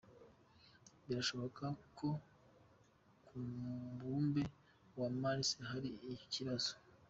Birashoboka ko ku mubumbe wa Mars hari ikibazo.